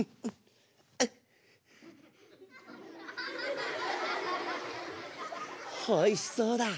おいしそうだ。